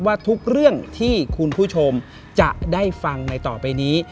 ว่าทุกเรื่องที่คุณผู้ชมจะได้ฟังในต่อไปนี้